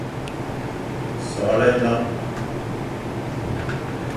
Soghle nlañ,